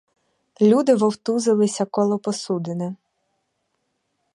Люди вовтузилися коло посудини.